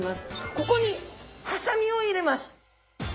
ここにハサミを入れます。